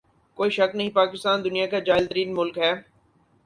کوئی شک نہیں پاکستان دنیا کا جاھل ترین ملک ہے